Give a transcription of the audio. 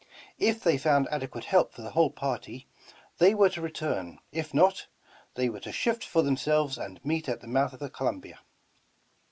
If they found adequate help for the whole party, they were to return. If not, they were to shift for themselves and meet at the mouth of the Columbia.